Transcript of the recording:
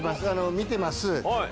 見てます。